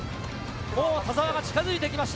田澤が近づいてきました。